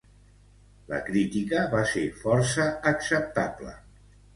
La crítica va ser força acceptable.